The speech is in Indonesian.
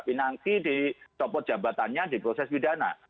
pinangki dicopot jabatannya di proses pidana